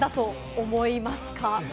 一体何だと思いますか？